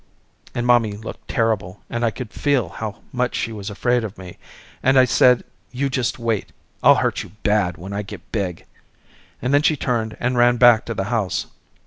And mommy looked terrible and I could feel how much she was afraid of me and I said you just wait, I'll hurt you bad when I get big, and then she turned and ran back to the house.